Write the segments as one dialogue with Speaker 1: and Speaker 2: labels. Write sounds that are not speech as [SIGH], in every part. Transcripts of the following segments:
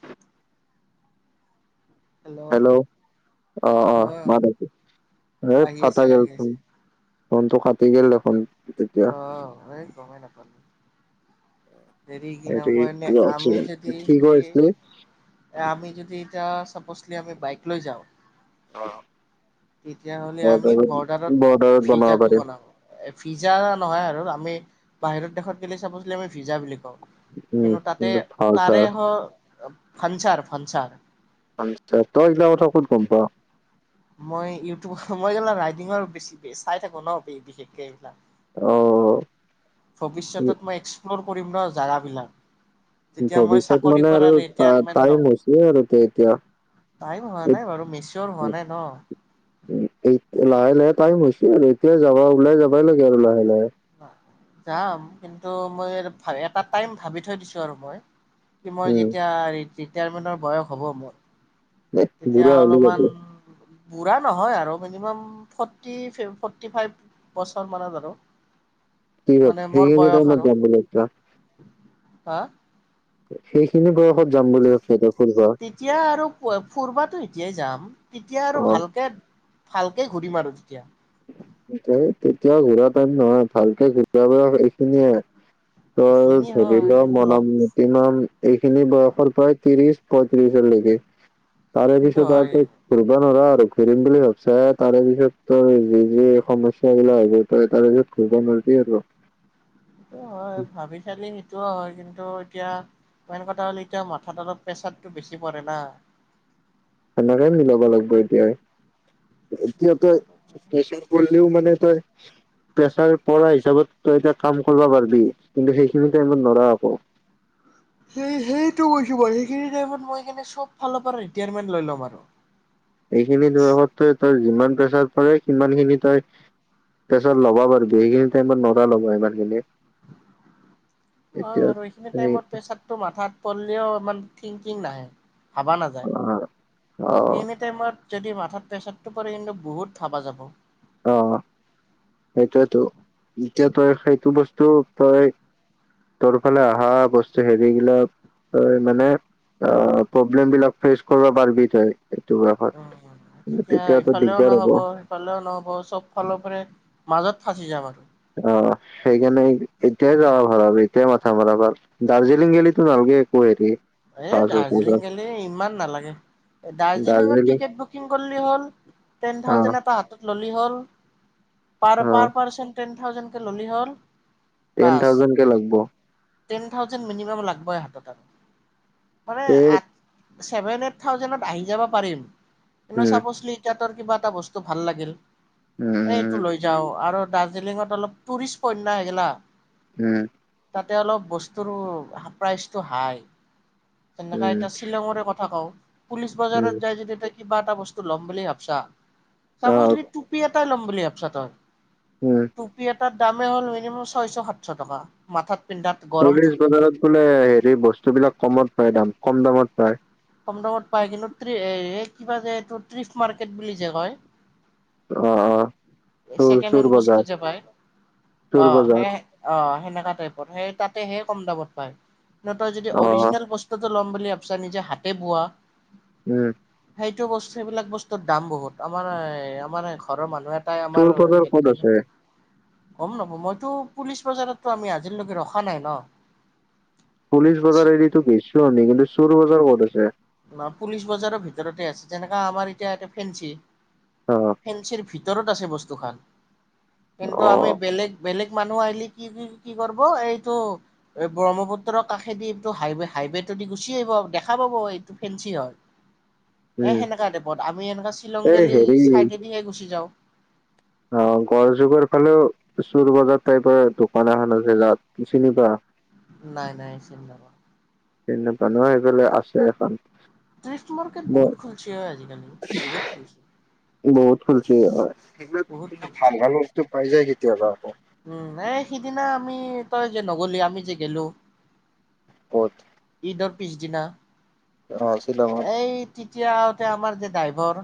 Speaker 1: সু [INAUDIBLE] হেল্ল' অ অ ম দে
Speaker 2: আহি
Speaker 1: ফটা
Speaker 2: আছে
Speaker 1: গেল
Speaker 2: আহি আছে
Speaker 1: ফোনটো কাটি গেল দেখোন, তেতিয়া
Speaker 2: অহ, গমেই নাপালোঁ। দেৰি কিনাম
Speaker 1: হেৰি
Speaker 2: কই
Speaker 1: কিবা
Speaker 2: আমি
Speaker 1: অক্সিজেন
Speaker 2: যদি
Speaker 1: কি কৈ আছিলি
Speaker 2: স আমি যদি এতিয়া তই কৈছিলি, আমি বাইক লৈ যাওঁ
Speaker 1: অ
Speaker 2: তেতিয়াহ'লে আমি বৰ্ডাৰত
Speaker 1: বনাব
Speaker 2: ফিজ্জাটো
Speaker 1: পাৰিম
Speaker 2: বনাওঁ, এ ফিজ্জা নহয় আৰু আমি বাহিৰত দেশত গেলে চাবছিলে আমি ভিজা বুলি কওঁ।
Speaker 1: উম,
Speaker 2: তাতে
Speaker 1: কিন্তু
Speaker 2: তাৰে
Speaker 1: ভালছাৰ
Speaker 2: হ ফানচাৰ ফানচাৰ
Speaker 1: তই এইগিলা কথা ক'ত গম পাৱ?
Speaker 2: মই ইউটিউব, মই এই ৰাইডিঙৰ বেছি চাই থাকো ন বিশেষকে এইবিলাক
Speaker 1: অ
Speaker 2: ভৱিষ্যত মই এক্সপ্ল'ৰ ফুৰিম ন জেগাবিলা
Speaker 1: ভৱিষ্যত মানে আৰু
Speaker 2: লম
Speaker 1: টাইম হৈছে আৰু এতিয়া
Speaker 2: টাইম হোৱা নাই বাৰু মেচিয়ৰ হোৱা নাই ন।
Speaker 1: লাহে টাইম হৈছে আৰু এতিয়া যাবা ওলাই যাবাই লাগিব আৰু লাহে-লাহে
Speaker 2: যাম, কিন্তু মই এটা টাইম ভাবি থৈ দিছো আৰু মই কি মই
Speaker 1: উম
Speaker 2: যেতিয়া ৰিটায়াৰমেণ্টৰ বয়স হ'ব মোৰ
Speaker 1: এ
Speaker 2: তেতিয়া
Speaker 1: বুঢ়া হ'লে ক
Speaker 2: অলপমান বুঢ়া নহয় আৰু মিনিমাম ফৰ্টি, ফৰ্টি ফাইভ বছৰ মানত আৰু
Speaker 1: কি
Speaker 2: মানে মোৰ
Speaker 1: সেইখিনি
Speaker 2: বয়স
Speaker 1: টাইমত
Speaker 2: আৰু
Speaker 1: যাম বুলি ভাবিছা?
Speaker 2: হা
Speaker 1: সেইখিনি বয়সত যাম বুলি ভাব
Speaker 2: তেতিয়া আৰু ফুৰবাতো এতিয়াই যাম। তেতিয়া আৰু
Speaker 1: অ',
Speaker 2: ভালকে ভালকে ঘূৰিম আৰু তেতিয়া
Speaker 1: তেতিয়াও, তেতিয়াও ঘূৰা টাইম নহয়, ভালকে ঘূৰা টাইম এইখিনিয়ে ত
Speaker 2: এইখিনি
Speaker 1: ধৰি লও,
Speaker 2: হয় লগ
Speaker 1: মনতনো কিমান এইখিনি বয়সৰ পৰা, ত্ৰিশ পয়ত্ৰিশৰ লৈকে তাৰোৰে
Speaker 2: সেইটো
Speaker 1: পিছত আৰু
Speaker 2: হয়।
Speaker 1: তোক ঘুৰিব নোৱাৰা। ত ঘুৰিম বুলি ভাবছা, তাৰে পিছততো যে, সমস্যা বিলাক আহিব, ত তাৰে ঘূৰিব নোৱাৰিবি আৰু
Speaker 2: সেইটো হয়, ভাবি চালি সেইটোও হয় কিন্তু এতিয়া মেন কথা হ'ল এতিয়া মাথাত অলপ প্ৰেছাৰটো বেছি পৰে না
Speaker 1: তেনেকে মিলাব লাগিব এতিয়াই এতিয়াতে প্ৰেছাৰ পৰি ও মানে তই প্ৰেছাৰ পৰা হিচাপত তই এতিয়া কাম কৰিব পাৰিবি কিন্তু সেইখিনি টাইমত নৰা আকৌ
Speaker 2: সেই সেইটো কৈছো মানে সেইখিনি টাইমত মই চব ফালৰ পৰা ৰিটায়াৰমেন লৈ লম আৰু
Speaker 1: এইখিনি দৰবত তই তই যিমান প্ৰেছাৰ পৰে সিমান খিনি তই প্ৰেছাৰ ল'বা পাৰিবি সেইখিনি টাইমত নৰা ল'ব সিমানখিনি
Speaker 2: অ বাৰু এইখিনি টাইমত প্ৰেছাতটো মাথাত পললও ইমান থিংকিং নাহে ভাবা নাযায়
Speaker 1: অ অ
Speaker 2: সেইি টাইমত যদি ম অথাৎ প্ৰেছাৰতটো পৰিলে কিন্তু বহুত ভাবা যাব
Speaker 1: অ সেইটোয়েতটো এতিয়া তই সেইটো বস্তু তই তোৰ ফালে অহা বস্তু হেৰিবিলাক তই মানে অ প্ৰব্লেম বিলাক ফেচ কৰিব পাৰিবি তই এইটো বয়সত
Speaker 2: উ তেতিয়া
Speaker 1: তেতিয়াতো
Speaker 2: ইফালেও
Speaker 1: দিগদাৰ হ'ব
Speaker 2: নহব সিফালেও নহব চব ফালৰ পৰাই মাজত ফাঁচি যাম আৰু
Speaker 1: অ সেইকাৰণে এতিয়াই যাব ভাল আৰু এতিয়াই মাথা মৰা ভাল। দাৰ্জিলিং গলেতো নালগে একো হেৰি।
Speaker 2: এই
Speaker 1: পাছ চাছত
Speaker 2: দাৰ্জিলিং গলে ইমান নালাগে। দাৰ্জিলিঙত
Speaker 1: দাৰ্জিলিং
Speaker 2: টিকেট বুকিং কৰিলেই হ'ল। টেন
Speaker 1: অ
Speaker 2: থাউজেনড এটা হাতত ললেই হল। পাৰ
Speaker 1: অ
Speaker 2: পাৰ পাৰ্চন টেন থাউজেণ্ড কে ললেই হ'ল।
Speaker 1: টেন
Speaker 2: বাছ
Speaker 1: থাউজেণ্ড কে লাগব।
Speaker 2: টেন থাউজেণ্ড মিনিমাম লাগবই হাতত আৰু মানে
Speaker 1: তে
Speaker 2: আ ছেভেন এইট থাউজেডত আহি যাব পাৰিম এ
Speaker 1: উম
Speaker 2: চাপচলি‌ ইয়াত কিবা এটা বস্তু ভাল লাগিল
Speaker 1: উম
Speaker 2: এইটো
Speaker 1: উম
Speaker 2: লৈ যাও আৰু দাৰ্জিলিঙত অলপ টুৰিষ্ট উপন্যা হৈগিলা
Speaker 1: উম
Speaker 2: তাতে অলপ বস্তুৰ প্ৰাইচটো হাই তেনেককা
Speaker 1: উম,
Speaker 2: এতিয়া শ্বিলঙৰে কথা কওঁ পুলিচ
Speaker 1: উম,
Speaker 2: বজাৰত যায় জদি তায় কিবা এটা বস্তু ল'ম বুলি ভাবছা
Speaker 1: অ',
Speaker 2: চাপছলিটুপি কেইটা ল'ম বুলি ভাবিছ তই‌?
Speaker 1: উম।
Speaker 2: টুপি‌ যাত তাত দামেই হ'ল মিনিমাম ছয়শ সাতশ টকা মাথাত পিন্ধাত গৰম
Speaker 1: পুলিচ
Speaker 2: টুপি
Speaker 1: বজাৰত বোলে হেৰি বস্তুবিলাক কমত হয় দাম কম দামত পায়
Speaker 2: কম দামত পায়। কিন্তু ত্ৰে কিবা যে এইটো ট্ৰিফ মাৰ্কেট বুলি যে কয়
Speaker 1: অ' - অ'।
Speaker 2: এ
Speaker 1: চোৰ
Speaker 2: ছেকেন
Speaker 1: চোৰ
Speaker 2: হেন বস্তু
Speaker 1: বজাৰ,
Speaker 2: যে পায়।
Speaker 1: চোৰ
Speaker 2: অ'
Speaker 1: বজাৰ,
Speaker 2: সেয়া- অ' সেনেকা টাইপৰ। সেই তাত তেহে কম দামত পায়। ন তই যদি
Speaker 1: অ',
Speaker 2: অৰিজনেল বস্তুটো ল'ম বুলি ভাবিছা, নিজে হাতে বোৱা
Speaker 1: উম।
Speaker 2: সেইটো বস্তু এইবিলাক বস্তুৰ দাম বহুত। আমাৰ এ- আমাৰ ঘৰৰ মানুহ এটাই আমাৰ
Speaker 1: চুৰ বজাৰ
Speaker 2: হেৰি
Speaker 1: ক'ত
Speaker 2: কাৰণে
Speaker 1: আছে?
Speaker 2: গম নাপাওঁ। মইতো পুলিচ বজাৰতো আমি আজি লৈকে ৰখা নাই ন'।
Speaker 1: পুলিচ বজাৰেদি তো গৈছোঁ আমি। কিন্তু চুৰ বজাৰ ক'ত পিছে?
Speaker 2: না, পুলিচ বজাৰৰ ভিতৰতে আছে। যেনেকা আমাৰ এতিয়া এতে ফেঞ্চি
Speaker 1: অ',
Speaker 2: ফেঞ্চিৰ ভিত ভিতৰত আছে বস্তুখান কিন্তু আমি
Speaker 1: অ',
Speaker 2: বেলেগ-বেলেগ মানুহ আহিলি কি - কি, কি কৰিব, এইটো ব্ৰহ্মপুত্ৰৰ কাষেদি এইটো হাইৱে- হাইৱেটো দি গুচি আহিব, দেখা পাব এই তো ফেঞ্চি হয়। এ
Speaker 1: উম,
Speaker 2: সেনেকা টাপত। আমি এনেকা শ্বিলং
Speaker 1: এই
Speaker 2: গেলি
Speaker 1: হেৰি
Speaker 2: চাইদেদিহে গুচি যাওঁ।
Speaker 1: অ', গড়যুগৰ ফালেও চোৰ বজাৰ টাইপৰ দোকান এখন আছে। জাগাটো চিনি পা
Speaker 2: নাই - নাই, চিনি নাপাওঁ।
Speaker 1: [UNINTELLIGIBLE] সেইফালে আছে এখন।
Speaker 2: ট্ৰিফ মাৰ্কেট
Speaker 1: মই
Speaker 2: বহুত খুলিছে অ' আজিকালি। বহুত খুলছে।
Speaker 1: খুলছে হয়। সেইবিলাক
Speaker 2: বহুত
Speaker 1: কিন্তু
Speaker 2: খুলছে
Speaker 1: ভাল - ভাল বস্তু পাই যায় কি তিয়াবা আক'
Speaker 2: উম, এই সিদিনা আমি, তই যে নগলি, আমি যে গেলোঁ,
Speaker 1: [UNINTELLIGIBLE]
Speaker 2: ঈদৰ পিছদিনা
Speaker 1: অ', শ্বিলঙত।
Speaker 2: এই তেতিয়া তে আমাৰ যে ড্ৰাইভৰ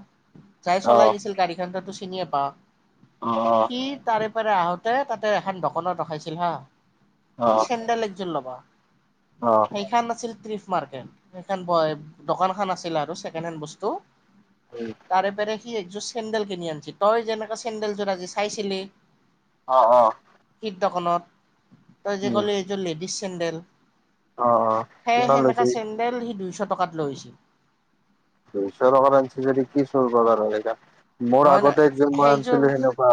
Speaker 2: যাই চলাই
Speaker 1: অ',
Speaker 2: গেছিল গাড়ীখান, তাতো চিনিয়ে পাৱ
Speaker 1: অ',
Speaker 2: সি তাৰে পাৰে আহোত তে তাতে এখন দোকনত ৰখাইছিল হা।
Speaker 1: অ',
Speaker 2: চেণ্ডেল এজোৰ লবা
Speaker 1: অ',
Speaker 2: সেই খান নছিল ত্ৰিফ মাৰ্কেট সেইখন দকান খন আছিল আৰু ছেকেণ্ড হেণ্ড বস্তু তাৰে পেৰে কি একযোৰ চেণ্ন্দেল কিনি আনিছি তই যেনেকাে চেণ্ন্দেলযোৰ আজি চাইছিলি
Speaker 1: অ', অ',
Speaker 2: সিদ্ধ খনত তই যে
Speaker 1: উম,
Speaker 2: কলি এইযোৰ লেডিজ চেণ্ডেল
Speaker 1: অ', অ',
Speaker 2: সে
Speaker 1: কিমান লৈছে?
Speaker 2: সেমেকাটা চেণ্ন্দেল সি দুইশ টকাত লৈছিল
Speaker 1: দুইশ টকা আঞ্চ যদি কি চুৰ বাৰ হয়য়া মোৰ
Speaker 2: নহয় নহয়
Speaker 1: আগতে একজন মই
Speaker 2: সেইযোৰ
Speaker 1: আনিছিলো সেনেকুৱা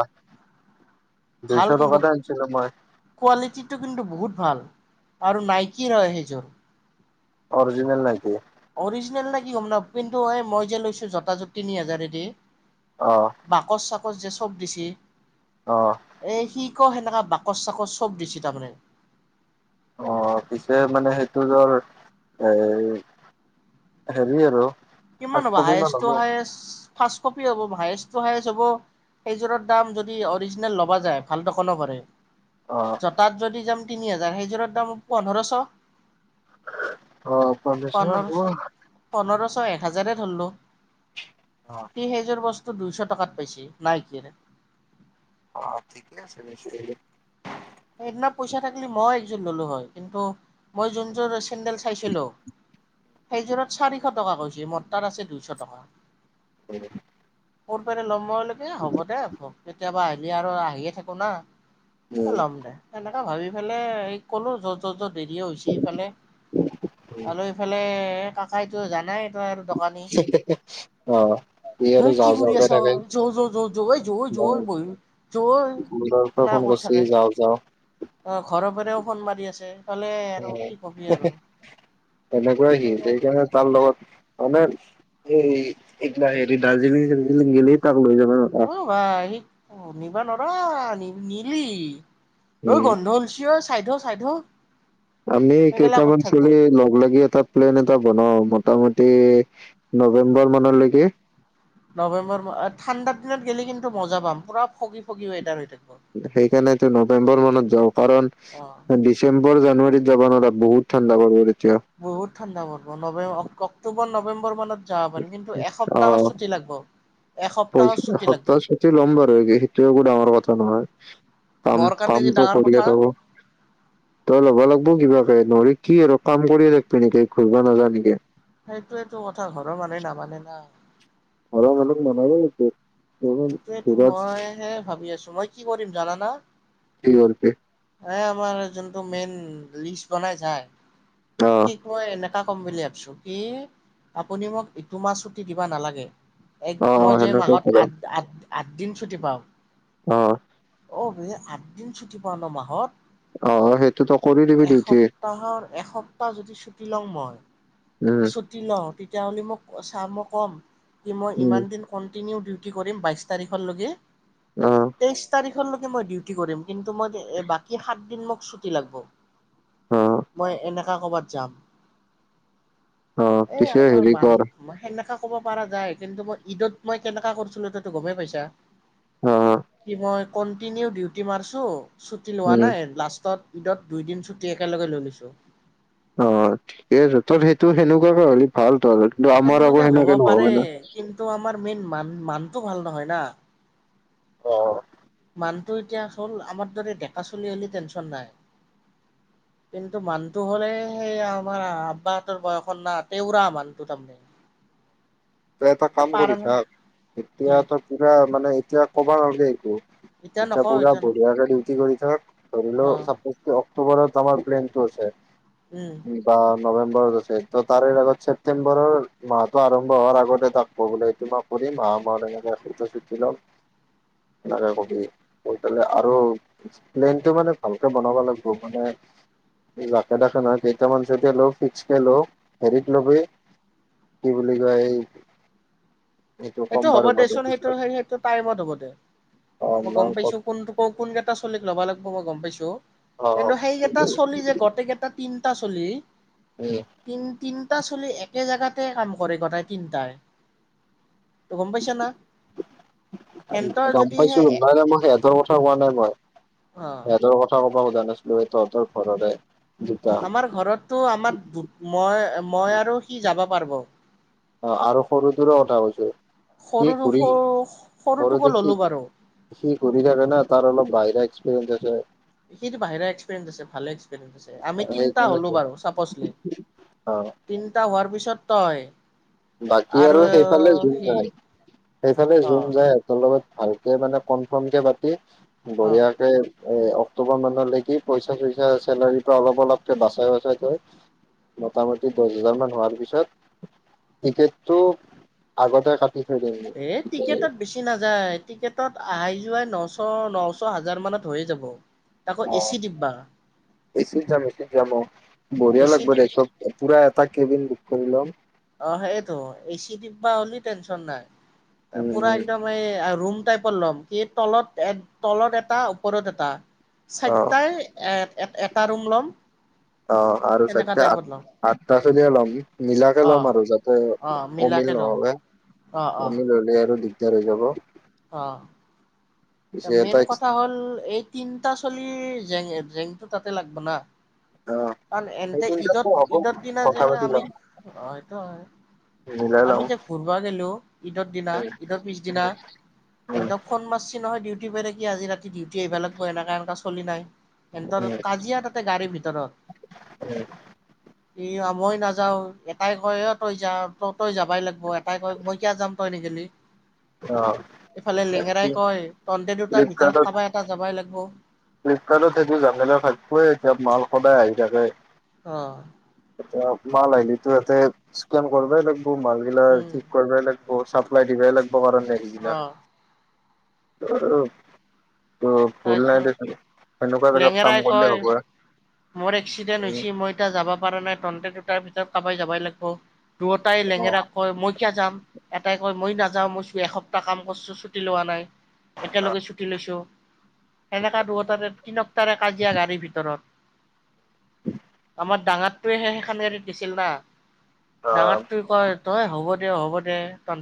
Speaker 2: ভাল
Speaker 1: দুইশ
Speaker 2: কিন্তু
Speaker 1: টকাতে আনিছিলো মই
Speaker 2: কোৱালিটিটো কিন্তু বহুত ভাল। আৰু নাইকি হয় সেইযোৰ
Speaker 1: অৰিজনেল নাকি
Speaker 2: অৰিজিনেল নে কি হম ন কিন্তু এই মই যে লৈছো জোতা জুত তিনি হাজাৰদি
Speaker 1: অ',
Speaker 2: বাকচ চ কচ যে চব দিছে
Speaker 1: অ',
Speaker 2: এ শি আক সেনেককা বাকচ চাকচ চব দিছে তাৰমানে।
Speaker 1: অ', পিছে মানে সেইটো জৰ এ', হেৰি আৰু
Speaker 2: কিমান
Speaker 1: পাঁচ
Speaker 2: হ'ব
Speaker 1: কপি মান
Speaker 2: হায়েষ্ট টো
Speaker 1: হ'ব
Speaker 2: হায়ষ্ট ফাৰ্ষ কপি হ'ব হায়ষ্ট টু হায়ষ্ট হ'ব সেইযোৰৰ দাম যদি অৰিজিনেল ল'বা যায় ভাল দকনো পেৰে
Speaker 1: অ',
Speaker 2: জতাত যদি যাম তিনি হাজাৰ সেইযোৰৰ দাম পোন্ধৰশ
Speaker 1: অ ', পমেশৰ ক
Speaker 2: চয় এক হাজাৰে ধৰিলো
Speaker 1: অ',
Speaker 2: কি সেইযোৰ বস্তু টো দুইশ টকাত পাইছি নাই কিয়
Speaker 1: অ', ঠিকে আছে নিচি
Speaker 2: সেইদিনা পইচা থাকিলে মই একযোৰ ল'লোঁ হয় কিন্তু মই যোনযোৰ চেণ্ডেল চাইছিলোঁ সেইযোৰত চাৰিশ টকা কৈছ মটাৰ আছে দুইশ টকা।
Speaker 1: হয়',
Speaker 2: কৰ পেৰে লম। সময়লৈকে হ'ব দে কেতিয়াবা আহ', খালি আৰু আহিয়ে থাকো না',
Speaker 1: উম',
Speaker 2: এনেকাে ভাবি ফেলাই এই ক'লো য' য- য'ত দেৰি হৈছে ইফালে আৰু ইফালে কাকাইটো জানাই দোকানী
Speaker 1: অ', ই আৰু
Speaker 2: হ', কি
Speaker 1: যাওঁ
Speaker 2: কৰি
Speaker 1: যাওঁকে
Speaker 2: আছ
Speaker 1: থাকে
Speaker 2: জ - জ - য -জ -জ -জ ব য
Speaker 1: মোৰ পৰা
Speaker 2: এনে
Speaker 1: ফোন
Speaker 2: ক'ত
Speaker 1: কৰছি
Speaker 2: থাকে।
Speaker 1: যাওঁ
Speaker 2: অ', ঘৰ পৰাও ফোন মাৰি আছে। ইফালে
Speaker 1: হে
Speaker 2: আৰু কি
Speaker 1: ',
Speaker 2: কবি
Speaker 1: -
Speaker 2: আৰু।
Speaker 1: হে ', তেনেকুৱাই শি সেইকাৰণে তাৰ লগত মানে এইৰি এই হেৰি দাৰ্জিলিং -চাৰ্জিলিং গেলে তাক লৈ যাবা অ
Speaker 2: নিবা নৰা নি নিলি ঐ
Speaker 1: উম,
Speaker 2: গন্ধ অলচি অই চাইদ হ - চাইদ হ
Speaker 1: আমি
Speaker 2: সেইগিলা ক'ত
Speaker 1: কেইটামান
Speaker 2: থাকিব?
Speaker 1: ছোৱালী লগ লাগি এতাত প্লেন এটা বনাও মোটামুটি নৱেম্বৰ মানলৈকে
Speaker 2: নৱেম্বৰ মাহ ঠাণ্ডাৰ দিনত গেলি কিন্তু মজা পাম পুৰা ফগি -ফগি ৱেডাৰ হৈ থাকে।
Speaker 1: সেইকাৰণেতো নৱেম্বৰ মানত যাও কাৰণ
Speaker 2: অ
Speaker 1: ডিচেম্বৰ য জানুৱাৰীত যাব নোৱাৰা বহুত ঠাণ্ডা পাব ৰে
Speaker 2: বহুত ঠাণ্ডা পৰব নৱে অক্টোবৰ, নৱেম্বৰ মানত যাব পাৰি কিন্তু এসপ্তাহ ছুটি লাগব এসপ্তাহৰ
Speaker 1: কৈছো
Speaker 2: ছুটি লাগব
Speaker 1: এসপ্তাহ ছুটি লম বাৰু সেইটো একো ডাঙৰ কথা নহয় পাম
Speaker 2: মোৰ কাৰণে
Speaker 1: পাম
Speaker 2: যি
Speaker 1: ত
Speaker 2: ডাঙৰ
Speaker 1: কৰিয়
Speaker 2: কথা
Speaker 1: যাব তই ল'ব লাগিব কিবা, নৰি কি আৰু কাম কৰিয়ে থাকিবি নেকি ঘূৰিব নাজা নেকি?
Speaker 2: সেইটোয়টো কথা ঘৰৰ মানুহে নামানে না,
Speaker 1: ঘৰৰ মানুহ নামানে নেকি?
Speaker 2: সেইটোয়ো মইহে ভাবি আছো মই কি কৰিম জানানা?
Speaker 1: কৰিবি
Speaker 2: এ আমাৰ যোনটো মেইন লিষ্ট বনাই চাই
Speaker 1: অ
Speaker 2: শিক মই এনে কম বুলি ভাবিছো কি আপুনি মোক ইটো মাহ ছুটি দিবা নালাগে এক
Speaker 1: অ
Speaker 2: মই
Speaker 1: অ
Speaker 2: যে
Speaker 1: সেনেকৈ
Speaker 2: মাহত আঠ আঠ আঠদিন ছুটি পাওঁ
Speaker 1: আহ
Speaker 2: অ বে আঠ দিন ছুটি পোৱা ন মাহত? মাহত
Speaker 1: অ সেইটোতো কৰি দিবি ডিউটি
Speaker 2: এসপ্তাহৰ-এসপ্তাহ যদি ছুটি লওঁ মই,
Speaker 1: উম
Speaker 2: ছুটি লওঁ তেওঁ বুলি মোক, চাহ মোক কম কি মই
Speaker 1: উম
Speaker 2: ইমান দিন খ কনটিনিও ডিউটি কৰিম বাইশ তাৰিখৰ লগে
Speaker 1: অ
Speaker 2: তেইশ তাৰিখৰ নে মই ডিউটি কৰিম? কিন্তু মই সাতদিন মোক ছুটি লাগিব।
Speaker 1: অ
Speaker 2: মই এনে ক ক'বাত যাম?
Speaker 1: অ
Speaker 2: এ
Speaker 1: পিছে
Speaker 2: আমাৰ
Speaker 1: হেৰি কৰ
Speaker 2: মানুহ সেনেকা ক'ব পৰা যায়, কিন্তু মই ঈদত মই কেনেকা কৰিছিলো তো গমেই পাইছা
Speaker 1: অ
Speaker 2: কি মই কনটিনিও ডিউটিত মাৰছো ছুটি লোৱা
Speaker 1: উম
Speaker 2: নাই, লাষ্টত ঈদত দুইদিন চুটি একেলগে লৈ লৈছো।
Speaker 1: অ ঠিকে আছে, তই সেইটো সেনেকুৱাকে হ'লে ভাল। কিন্তু, আমাৰ আকৌ
Speaker 2: সেনেকুৱাকে হ'ব
Speaker 1: সেনেকে নহব
Speaker 2: পাৰে
Speaker 1: না
Speaker 2: কিন্তু আমাৰ মেইন মানুহ-মানুহটো ভাল নহয় না।
Speaker 1: অ
Speaker 2: মানুহটো এতিয়া হ'ল আমাৰ দৰে ডেকা চলি হ'লে টেনচন নাই, কিন্তু মানুহটো হ'লে সেই আমাৰ আব্বাহঁতৰ বয়সৰ না তেওৰা মানুহটো তাৰমানে
Speaker 1: তই এটা
Speaker 2: এতিয়া
Speaker 1: কাম
Speaker 2: পাৰ
Speaker 1: কৰি থাক,
Speaker 2: কি
Speaker 1: এতিয়া ত কিবা মানে এতিয়া অকমান সেইটো এতিয়া পুৰা বঢ়িয়া কে ডিউটি কৰি থাক, কৰি
Speaker 2: অ
Speaker 1: লও, [UNINTELLIGIBLE] অক্টোবৰত আমাৰ প্লেনটো আছে।
Speaker 2: উম
Speaker 1: বা নৱেম্বৰত আছে, ত তাৰে আগত ছেপটেম্বৰৰ মাহতটো আৰম্ভ হোৱাৰ আগত আগতে তাক কব লাগিব, এইটো মই কৰিম, আহাৰ মাহত যেনেকে সেইটো চুটি লম, এনেকে কবি পেলাই আৰু প্লেনটো মানে ভালকে বনাব লাগিব। মানে জাকে-তাকে নহয় কেইটামান চট ল, ফিক্সকে ল হেৰিক ল'বি কি বুলি কয় এইটো ক'ম
Speaker 2: সেইটো হ'ব
Speaker 1: বাৰু মই তোক
Speaker 2: দেচোন,
Speaker 1: পিছত
Speaker 2: সেইটো-সেইটো টাইমত হ'ব দে
Speaker 1: অ
Speaker 2: মই গম
Speaker 1: ক'ত
Speaker 2: পাইছো, কোনটো কোন কেইটা ছোৱালীক লব লাগিব মই গম পাইছো।
Speaker 1: অ
Speaker 2: কিন্তু সেইকেইটা ছোৱালী যে, গোটেইকেইটাক তিনিটা ছোৱালী
Speaker 1: উম
Speaker 2: তিন-তিন এটা ছোৱালী একে জেগাতে কাম কৰে, গোটেই তিনিটাই সেন্তৰ
Speaker 1: গম
Speaker 2: যদিহে
Speaker 1: পাইছোঁ। নাই - নাই। মই সিহঁতৰ কথা কোৱা নাই মই।
Speaker 2: অ'
Speaker 1: সিহঁতৰ কথা ক'ব খোজা না তহঁতৰ ঘৰৰে। দুটা
Speaker 2: আমাৰ ঘৰতটো আমাৰ বু- মই- মই আৰু সি যাব পাৰিব।
Speaker 1: অ' আৰু সৰুটোৰোঁ কথা কৈছোঁ। সি
Speaker 2: সৰুটো
Speaker 1: ঘূৰিল।
Speaker 2: সৰু সৰুটোকো
Speaker 1: সৰুতে
Speaker 2: ল'লো
Speaker 1: সি-
Speaker 2: বাৰু।
Speaker 1: সি ঘূৰি থাকে না, তাৰ অলপ বাহিৰা এক্স [UNINTELLIGIBLE]
Speaker 2: সিতো বাহিৰা এক্সপিৰিয়েঞ্চ আছে। ভালে এক্সপিৰিয়েঞ্চ আছে। আমি তিনিটা
Speaker 1: সেইকাৰণে
Speaker 2: হলোঁ বাৰু, ছাপছলি।
Speaker 1: অ
Speaker 2: তিনিটা হোৱাৰ পিছত তই
Speaker 1: বাকী আৰু সেইফালে জোন
Speaker 2: সি
Speaker 1: যায়, সেইফালে জোন
Speaker 2: অ'
Speaker 1: যায়, সিহঁতৰ লগত ভালকে মানে ক'নফোৰ্ম কে পাতি
Speaker 2: অ'
Speaker 1: বঢ়িয়াকে এ অক্টোবৰ মানলৈকে পইচা-ছইছা চেলাৰীৰ পৰা অলপ-অলপকে বাচাই বাচাই থৈ, মোটামুটি দহ হাজাৰমান হোৱাৰ পিছত টিকেটটো আগতে কাট
Speaker 2: এ টিকেটত বেছি নাযায়। টিকেটত অহাই-যোৱাই নশ- নশ, হাজাৰ মানত হৈয়ে যাব। তাকো এচি
Speaker 1: অ'
Speaker 2: ডিব্বা
Speaker 1: এ চিত যাম। এ চিত যাম অ'। বঢ়িয়া
Speaker 2: এচি
Speaker 1: লাগব
Speaker 2: ডি
Speaker 1: দে, চব পুৰা এটা কেবিন বুক কৰি লম।
Speaker 2: অ' সেয়েটো। এ চি ডিব্বা হ'লি টেনছন নাই।
Speaker 1: উম
Speaker 2: পুৰা
Speaker 1: উম
Speaker 2: একদম এই ৰুম টাইপৰ ল'ম। কি, তলত এ- তলত এটা, ওপৰত এটা।
Speaker 1: অ
Speaker 2: চাৰিটাই এ এট- এটা ৰুম ল'ম।
Speaker 1: অ' আৰু
Speaker 2: তেনেকা
Speaker 1: চাৰিটা
Speaker 2: টাইপত ল'ম
Speaker 1: আঠ- আঠটা চলিয়ে ল'ম নি? নিলা
Speaker 2: অ
Speaker 1: লম আৰু যাতে,
Speaker 2: অ
Speaker 1: অমিল
Speaker 2: মিলাকে ল'ম
Speaker 1: নহ'লে,
Speaker 2: অ অ
Speaker 1: অমিল হ'লে [UNINTELLIGIBLE] দাৰ হৈ যাব?
Speaker 2: এতিয়া
Speaker 1: পিছে এটা
Speaker 2: মেইন কথা হ'ল, এই তিনটা চলিৰ জেং- জেং তাতে লাগব' না?
Speaker 1: অ
Speaker 2: কাৰণ
Speaker 1: সেই
Speaker 2: এনতে
Speaker 1: তিনিটাতো
Speaker 2: ঈদত-
Speaker 1: হ'ব
Speaker 2: ঈদত দিনা যে
Speaker 1: কথা পাতি
Speaker 2: আমি,
Speaker 1: লম
Speaker 2: অ' সেইটো হয়।
Speaker 1: মিলাই
Speaker 2: আমি
Speaker 1: লম
Speaker 2: যে ঘূৰবা গে'লো ঈদৰ দিনা, ঈদৰ পিছদিনা। এনেতোক ফোন মাৰছ নহয়, ডিউটি পৰিলে কি আজি ৰাতি ডিউটি আহিব লাগিব এনেকুৱা - এনেকুৱা ঠলি নাই? সিহঁতৰ কাজিয়া তাতে, গাড়ীৰ ভিতৰত সিও মই নাযাও এটাই কয় অ তই যা ত তই যাবাই লাগব। ব এটাই কয় মই কিয় যাম। তই নিগেলি
Speaker 1: অ
Speaker 2: ইফালে লেঙেৰাই কয় এতিয়া দুটাৰ ভিতৰত
Speaker 1: ফ্লিপকাৰ্টত
Speaker 2: কাবাৰ এটা যাবই লাগব। ব
Speaker 1: ফ্লিপকাৰ্টত সেইবোৰ জামেলা থাকবই এতিয়া মাল সদায় আহি থাকে।
Speaker 2: অ
Speaker 1: অ মাল আহিলেতো ইহঁতে স্কেন কৰবাই লাগব মালগিলা
Speaker 2: উম
Speaker 1: ঠিক কৰবাই লাগব, চাপ্লাই দিবাই লাগব কাৰণে সেইগিলা
Speaker 2: অ
Speaker 1: উ!
Speaker 2: তাৰপিছত
Speaker 1: উ! [UNINTELLIGIBLE] অ [UNINTELLIGIBLE]
Speaker 2: লেঙেৰাই কয়, মোৰ এক্সিডেন্ট হৈছি মই এতিয়া যা যাব পাৰা নাই, তন্তে দুটাৰ ভিতৰত চাবাই যাবই লাগব। দুয়োটাই লেঙেৰাক কয়? মই কিয়া যাম এটাই কয় মই নাযাও মইছো এসপ্তাহ কাম কৰিছো ছুটি লোৱা নাই একেলগে ছুটি লৈছোঁ এনেকা দুয়োটাৰে তিনকটাৰে কাজিয়া গাড়ীৰ ভিতৰত আমাৰ ডাঙাৰটোয়ে সে সেইখন গাড়ী দিছিল না
Speaker 1: অ
Speaker 2: ডাঙাৰ তুই কয় তই হ'ব দেয় হ'ব দে তন